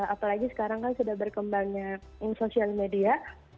apalagi sekarang kan sudah berkembangnya sosial media